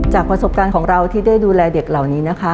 ประสบการณ์ของเราที่ได้ดูแลเด็กเหล่านี้นะคะ